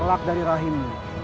elak dari rahimmu